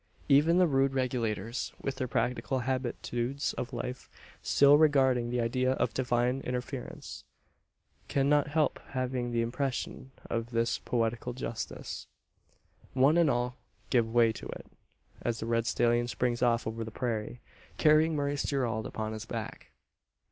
Even the rude Regulators with their practical habitudes of life, but little regarding the idea of Divine interference cannot help having the impression of this poetical justice. One and all give way to it, as the red stallion springs off over the prairie, carrying Maurice Gerald upon his back.